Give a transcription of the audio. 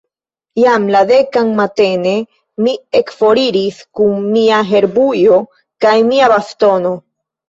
Jam la dekan matene, mi ekforiris kun mia herbujo kaj mia bastono.